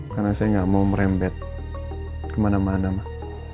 karena saya gak mau merembet kemana mana mah